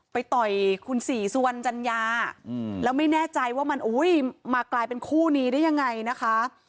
ต่อยคุณศรีสุวรรณจัญญาแล้วไม่แน่ใจว่ามันมากลายเป็นคู่นี้ได้ยังไงนะคะ